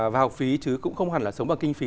và học phí chứ cũng không hẳn là sống bằng kinh phí